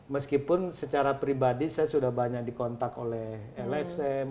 meskipun secara pribadi saya sudah banyak dikontak oleh lsm